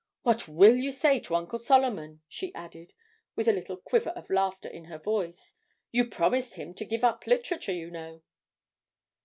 What will you say to Uncle Solomon?' she added, with a little quiver of laughter in her voice. 'You promised him to give up literature, you know.'